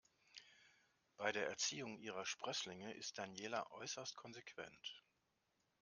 Bei der Erziehung ihrer Sprösslinge ist Daniela äußerst konsequent.